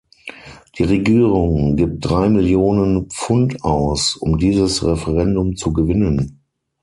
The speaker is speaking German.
Die Regierung gibt drei Millionen Pf- und aus, um dieses Referendum zu gewinnen.